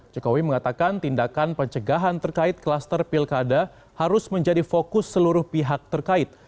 jokowi mengatakan tindakan pencegahan terkait klaster pilkada harus menjadi fokus seluruh pihak terkait